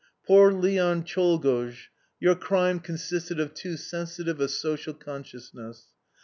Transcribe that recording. Poor Leon Czolgosz, your crime consisted of too sensitive a social consciousness.